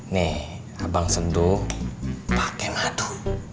nih abang sendu pake madu